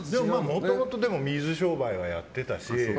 もともと水商売はやってたし。